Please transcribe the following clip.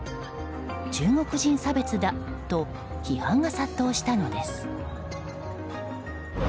中国人差別だと批判が殺到したのです。